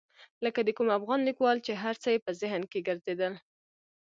لکه د کوم افغان لیکوال چې هر څه یې په ذهن کې ګرځېدل.